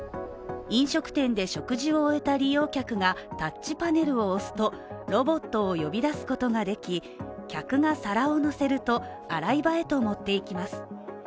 飲食店で食事を終えた利用客がタッチパネルを押すとロボットを呼び出すことができ、客が皿を乗せると洗い場へと持っていきます。